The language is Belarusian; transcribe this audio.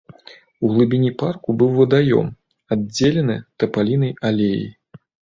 У глыбіні парку быў вадаём, аддзелены тапалінай алеяй.